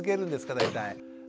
大体。